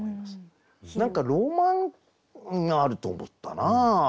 何かロマンがあると思ったな。